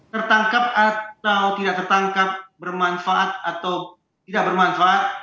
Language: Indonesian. tertangkap atau tidak tertangkap bermanfaat atau tidak bermanfaat